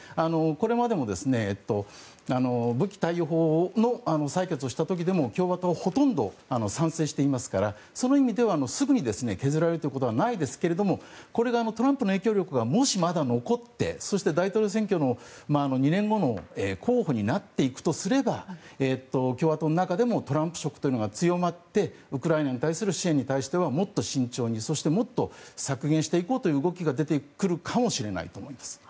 これまでも武器貸与法の裁決をした時でも共和党はほとんど賛成していますからその意味ではすぐに削られることはないですけれどもこれがトランプの影響力がまだ残ってそして大統領選挙の２年後の候補になっていくとすれば共和党の中でもトランプ色が強まってウクライナに対する支援に対してはもっと慎重にそしてもっと削減していこうという動きが出てくるかもしれないと思います。